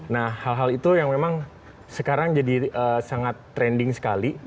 nah hal hal itu yang memang sekarang jadi sangat trending sekali